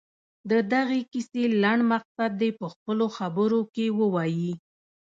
د دغې کیسې لنډ مقصد دې په خپلو خبرو کې ووايي.